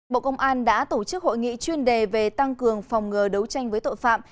bộ công an đã tổ chức hội nghị chuyên đề về tăng cường phòng ngừa đấu tranh với tội phạm